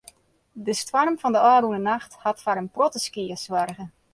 De stoarm fan de ôfrûne nacht hat foar in protte skea soarge.